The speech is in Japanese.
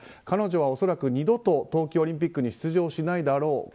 彼女は恐らく二度と冬季オリンピックに出場しないだろう